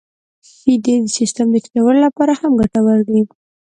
• شیدې د سیستم د ټيټولو لپاره هم ګټورې دي.